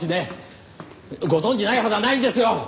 ご存じないはずはないんですよ。